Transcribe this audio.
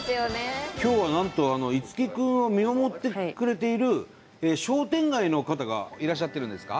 今日はなんと樹くんを見守ってくれている商店街の方がいらっしゃってるんですか？